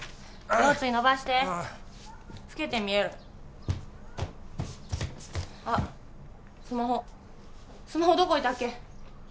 腰椎伸ばして老けて見えるあっスマホスマホどこ置いたっけ？